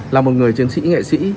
là một người chiến sĩ nghệ sĩ